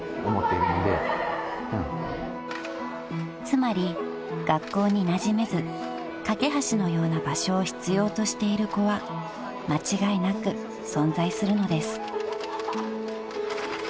［つまり学校になじめずかけはしのような場所を必要としている子は間違いなく存在するのです］